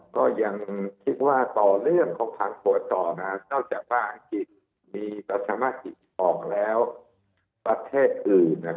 ก็ยังคิดว่าต่อเรื่องของผันผลต่อมาตั้งแต่ว่าอังกฤษมีประสามารถออกแล้วประเทศอื่นนะครับ